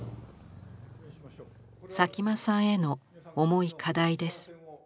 佐喜眞さんへの重い課題です。